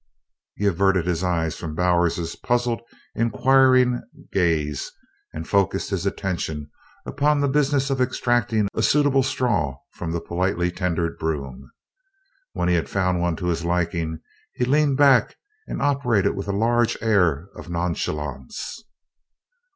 He averted his eyes from Bowers's puzzled inquiring gaze and focused his attention upon the business of extracting a suitable straw from the politely tendered broom. When he had found one to his liking, he leaned back and operated with a large air of nonchalance.